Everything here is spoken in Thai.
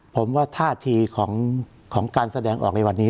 ผมว่าท่าทีของการแสดงออกในวันนี้